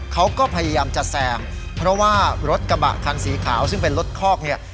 เขาก็พยายามจะแซงเพราะว่ารถกระบะคันสีขาวซึ่งเป็นรถคอกเนี่ย